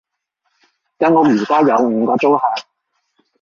間屋而家有五個租客